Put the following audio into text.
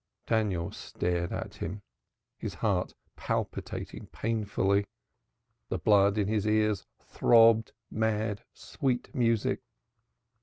Daniel stared at him, his heart palpitating painfully. The blood in his ears throbbed mad sweet music.